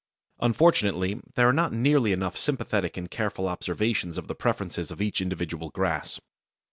Unfortunately there are not nearly enough sympathetic and careful observations of the preferences of each individual grass.